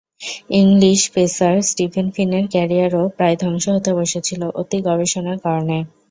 English pacer Steven ফিনের ক্যারিয়ারও প্রায় ধ্বংস হতে বসেছিল অতি গবেষণার কারণে।